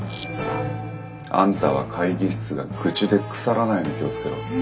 あんたは会議室が愚痴で腐らないように気を付けろ」。